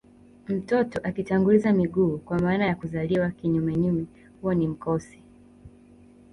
Mtoto akitanguliza miguu kwa maana ya kuzaliwa kinyumenyume huo ni mkosi